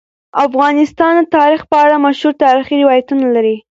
افغانستان د تاریخ په اړه مشهور تاریخی روایتونه لري.